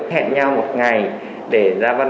hẹn nhau một ngày để ra văn phòng